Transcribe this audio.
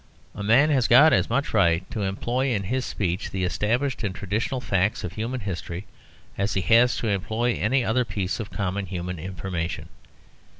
A man has got as much right to employ in his speech the established and traditional facts of human history as he has to employ any other piece of common human information.